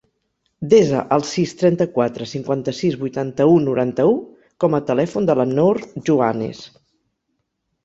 Desa el sis, trenta-quatre, cinquanta-sis, vuitanta-u, noranta-u com a telèfon de la Nour Juanes.